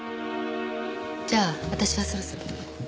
じゃあ私はそろそろ。